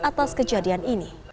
atas kejadian ini